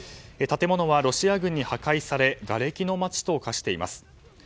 建物はロシア軍に破壊されがれきの街と化しています。